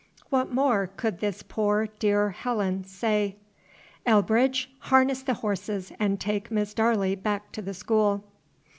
What more could this poor, dear Helen say? "Elbridge, harness the horses and take Miss Darley back to the school."